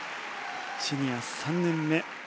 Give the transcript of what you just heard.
シニア３年目。